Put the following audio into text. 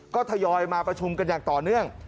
ก็ทยอยมาประชุมกันอย่างต่อเนื่อง